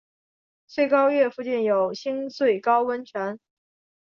穗高岳附近有新穗高温泉。